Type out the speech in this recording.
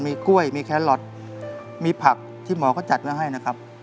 มีกล้วยมีแครอทมีผักที่หมอก็จัดไว้ให้นะครับ